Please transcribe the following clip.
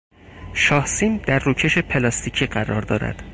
شاهسیم در روکش پلاستیکی قرار دارد.